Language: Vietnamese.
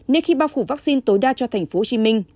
nên khi bao phủ vaccine tối đa cho tp hcm